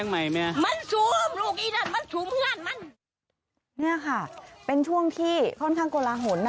นี่ค่ะเป็นช่วงที่ค่อนข้างโกลาหลนะ